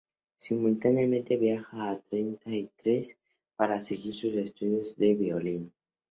Simultáneamente viajaba a Treinta y Tres para seguir sus estudios de violín.